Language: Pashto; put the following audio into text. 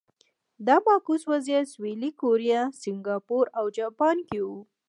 دا معکوس وضعیت سویلي کوریا، سینګاپور او جاپان کې و.